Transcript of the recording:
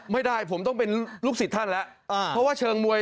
ไม่ดีถ้าว่าเชิงมวย